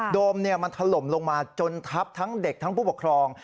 โดมมันถล่มลงมาจนทับทั้งเด็กทั้งผู้ปกครอง